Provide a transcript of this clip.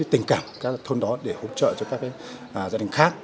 tình cảm các thôn đó để hỗ trợ cho các gia đình khác